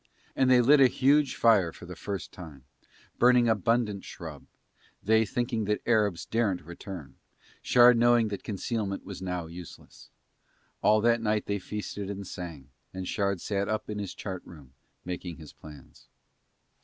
And they lit a huge fire for the first time, burning abundant scrub, they thinking that Arabs daren't return, Shard knowing that concealment was now useless. All that night they feasted and sang, and Shard sat up in his chart room making his plans.